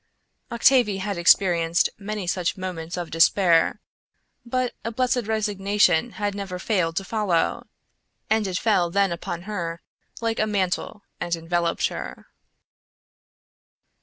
Octavie had experienced many such moments of despair, but a blessed resignation had never failed to follow, and it fell then upon her like a mantle and enveloped her.